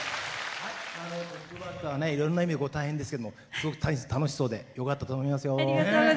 トップバッターいろんな意味で大変ですけどすごく楽しそうでよかったと思いますよ。